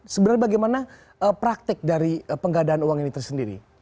sebenarnya bagaimana praktik dari penggadaan uang ini tersendiri